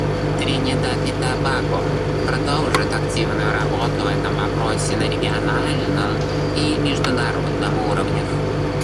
Тринидад и Тобаго продолжит активную работу в этом вопросе на региональном и международном уровнях.